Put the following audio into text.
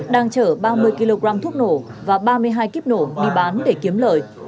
đang chở ba mươi kg thuốc nổ và ba mươi hai kíp nổ đi bán để kiếm lời